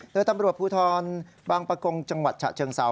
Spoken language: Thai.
โดยตำรวจภูทรบางประกงจังหวัดฉะเชิงเซา